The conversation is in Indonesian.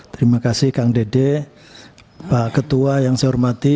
terima kasih kang dede pak ketua yang saya hormati